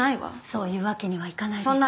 そういうわけにはいかないでしょ。